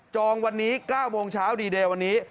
องวันนี้๙โมงเช้าดีเดย์วันนี้